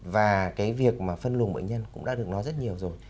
và cái việc mà phân luồng bệnh nhân cũng đã được nói rất nhiều rồi